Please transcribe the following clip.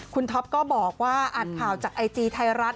คุณท็อปก็บอกว่าอ่านข่าวจากไอจีไทยรัฐ